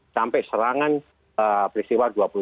sampai serangan peristiwa dua puluh satu